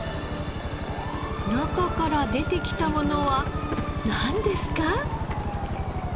中から出てきたものはなんですか？